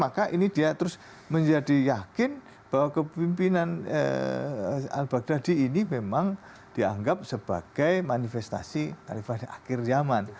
maka ini dia terus menjadi yakin bahwa kepimpinan al baghdadi ini memang dianggap sebagai manifestasi arifan akhir zaman